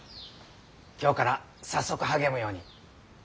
今日から早速励むように。